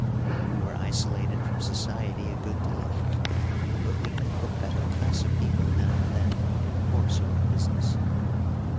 We were isolated from society a good deal, but we met the better class of people now and then in the course of our business.